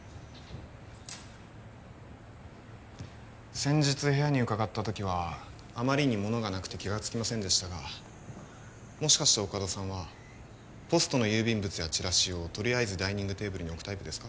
先日部屋に伺った時はあまりにものがなくて気がつきませんでしたがもしかして大加戸さんはポストの郵便物やチラシをとりあえずダイニングテーブルに置くタイプですか？